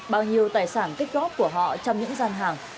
bao nhiêu tài sản tích góp của họ trong những gian hàng